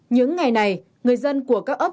những ngày này người dân của các ấp